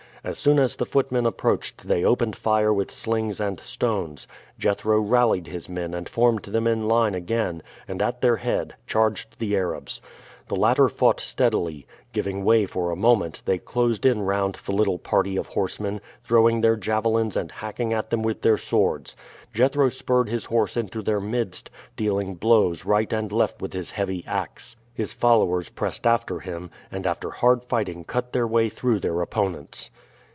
As soon as the footmen approached they opened fire with slings and stones. Jethro rallied his men and formed them in line again, and at their head charged the Arabs. The latter fought steadily. Giving way for a moment, they closed in round the little party of horsemen, throwing their javelins and hacking at them with their swords. Jethro spurred his horse into their midst, dealing blows right and left with his heavy ax. His followers pressed after him, and after hard fighting cut their way through their opponents.